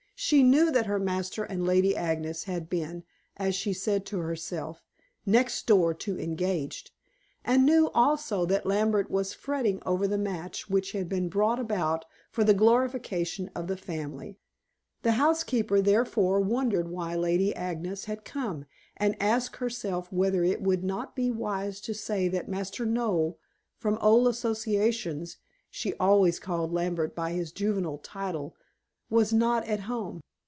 She knew that her master and Lady Agnes had been, as she said herself, "next door to engaged," and knew also that Lambert was fretting over the match which had been brought about for the glorification of the family. The housekeeper, therefore, wondered why Lady Agnes had come, and asked herself whether it would not be wise to say that Master Noel from old associations, she always called Lambert by this juvenile title was not at home.